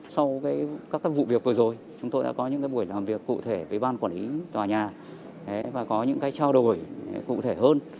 sau các vụ việc vừa rồi chúng tôi đã có những buổi làm việc cụ thể với ban quản lý tòa nhà và có những trao đổi cụ thể hơn